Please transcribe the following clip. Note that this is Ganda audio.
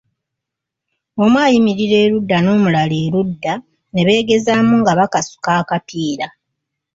Omu ayimirira erudda n'omulala erudda ne beegezaamu nga bakasuka akapiira.